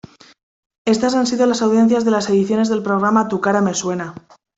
Estas han sido las audiencias de las ediciones del programa "Tu cara me suena".